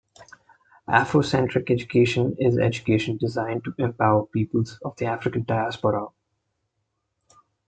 Afrocentric education is education designed to empower peoples of the African diaspora.